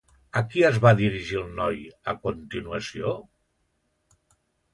A qui es va dirigir el noi, a continuació?